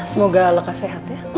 semoga leka sehat ya